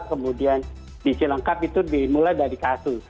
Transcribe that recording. kemudian di cilangkap itu dimulai dari kasus